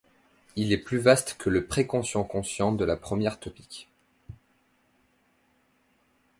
Il est plus vaste que le préconscient-conscient de la première topique.